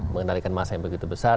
mengendalikan masa yang begitu besar